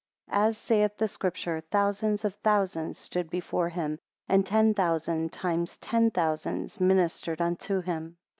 6 As saith the Scripture, thousands of thousands stood before him and ten thousand times ten thousand ministered unto him.